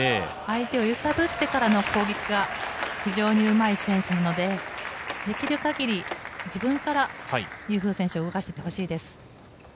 揺さぶってからの攻撃が非常にうまい選手なので、できる限り自分からユー・フー選手を動かしていってほしいです。